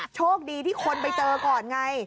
โชคดีที่คนไปเจอก่อนไง